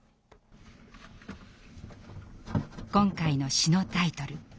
今回の詩のタイトル